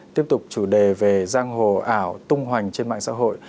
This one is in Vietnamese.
tiếp tục chủ đề về giang hồ ảo tung hoành trên mạng xã hội